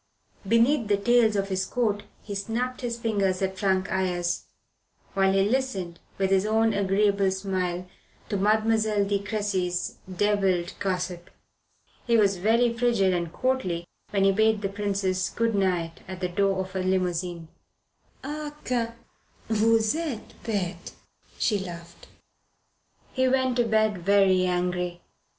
Beneath the tails of his coat he snapped his fingers at Frank Ayres, while he listened, with his own agreeable smile, to Mademoiselle de Cressy's devilled gossip. He was very frigid and courtly when he bade the Princess good night at the door of her limousine. "Ah, que vous etes bete!" she laughed. He went to bed very angry.